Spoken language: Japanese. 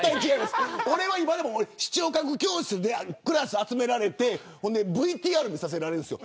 俺は視聴覚教室で集められてＶＴＲ見させられるんです。